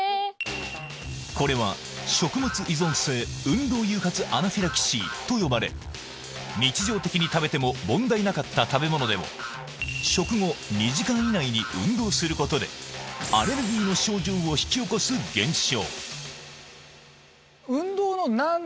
これは食物依存性運動誘発アナフィラキシーと呼ばれ日常的に食べても問題なかった食べ物でも食後２時間以内に運動することでアレルギーの症状を引き起こす現象